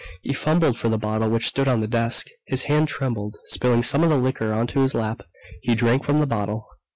He fumbled for the bottle which stood on the desk. His hand trembled, spilling some of the liquor onto his lap. He drank from the bottle....